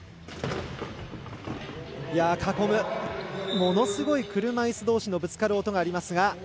ものすごい車いすどうしのぶつかる音がありますが。